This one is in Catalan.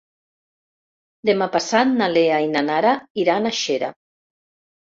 Demà passat na Lea i na Nara iran a Xera.